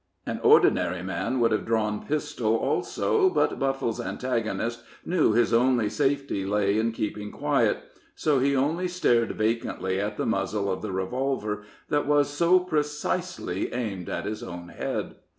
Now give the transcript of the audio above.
An ordinary man would have drawn pistol also, but Buffle's antagonist knew his only safety lay in keeping quiet, so he only stared vacantly at the muzzle of the revolver, that was so precisely aimed at his own head.